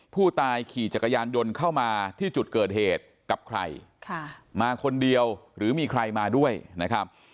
ผู้ตายขี่จักรยานยนต์เข้ามาที่จุดเกิดเหตุกับใครมาคนเดียวหรือมีใครมาด้วยนะครับ